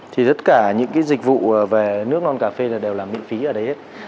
thì tất cả những cái dịch vụ về nước non cà phê đều là miễn phí ở đấy